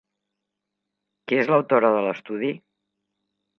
Qui és l'autora de l'estudi?